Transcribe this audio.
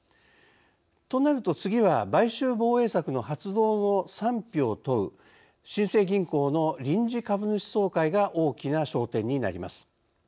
となると次は買収防衛策の発動の賛否を問う新生銀行の臨時株主総会が大きな焦点になります。